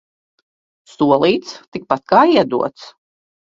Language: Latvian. Solīts – tikpat kā iedots.